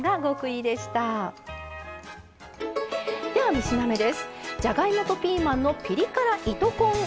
では３品目です。